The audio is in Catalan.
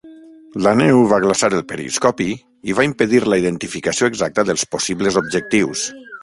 La neu va glaçar el periscopi i va impedir la identificació exacta dels possibles objectius.